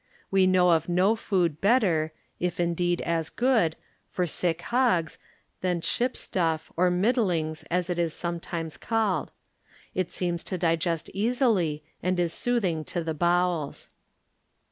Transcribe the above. We know of no food better, if indeed as good, for sick hogs than ship ^uff, or middlings as it is sometimes called; it seems to digest easily and is jDothing to the bowels.